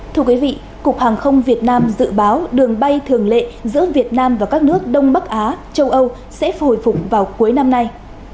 thưa quý vị cục hàng không việt nam dự báo đường bay thường lệ giữa việt nam và các nước đông bắc á châu âu sẽ hồi phục vào cuối năm nay